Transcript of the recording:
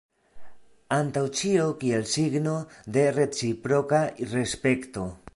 Antaŭ ĉio kiel signo de reciproka respekto.